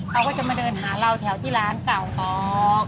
เขาก็จะมาเดินหาเราแถวที่ร้านเก่าของ